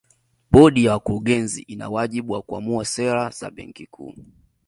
Bodi ya Wakurugenzi ina wajibu wa kuamua sera za Benki Kuu